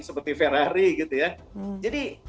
seperti ferrari gitu ya jadi